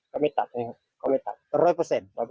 เขาไม่ตัดเลยครับ